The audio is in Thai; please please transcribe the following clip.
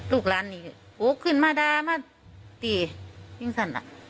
ลูกหลานนี่โหขึ้นมาด่ามาตียิ่งสั้นอ่ะ